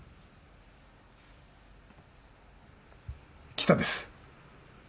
北です